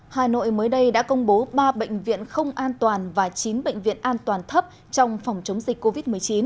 hà nội mới đây đã công bố ba bệnh viện không an toàn và chín bệnh viện an toàn thấp trong phòng chống dịch covid một mươi chín